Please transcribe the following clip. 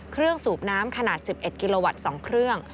สูบน้ำขนาด๑๑กิโลวัตต์๒เครื่อง